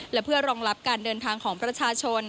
และเพื่อรองรับการเดินทางของประชาชน